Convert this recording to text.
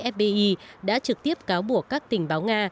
fbi đã trực tiếp cáo buộc các tình báo nga